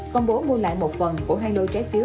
công bố mua lại một phần của hai lô trái phiếu